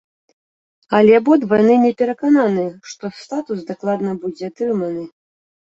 Але абодва яны не перакананыя, што статус дакладна будзе атрыманы.